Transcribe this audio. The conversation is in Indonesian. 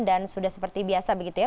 dan sudah seperti biasa begitu ya